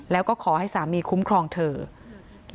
แล้วก็ขอให้สามีคุ้มครองเธอ